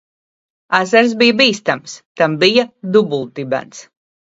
Ezers bija bīstams. Tam bija dubultdibens.